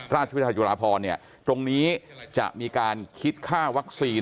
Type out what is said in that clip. ราชวิทยาจุฬาพรตรงนี้จะมีการคิดค่าวัคซีน